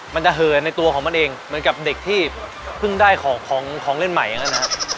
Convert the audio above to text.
มันจะเหินในตัวของมันเองเหมือนกับเด็กที่เพิ่งได้ของของเล่นใหม่อย่างนั้นนะครับ